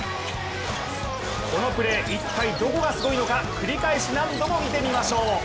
このプレー、一体どこがすごいのか繰り返し、何度も見てみましょう。